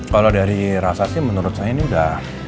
kalau dari rasa sih menurut saya ini udah